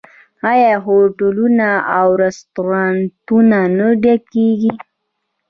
آیا هوټلونه او رستورانتونه نه ډکیږي؟